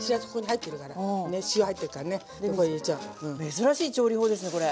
珍しい調理法ですねこれ。